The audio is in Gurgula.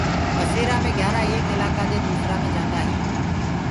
ٻيسرآ مي گھيآرآ ايڪ الآڪآ دي دوسرآ هينٚ۔